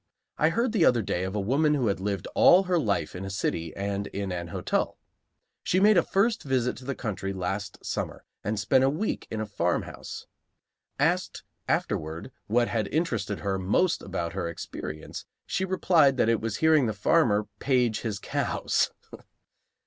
I heard the other day of a woman who had lived all her life in a city and in an hotel. She made a first visit to the country last summer, and spent a week in a farmhouse. Asked afterward what had interested her most about her experience, she replied that it was hearing the farmer "page his cows!"